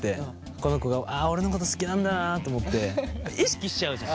この子俺のこと好きなんだなと思って意識しちゃうじゃん？